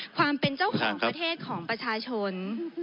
ความเป็นเจ้าของประเทศของประชาชน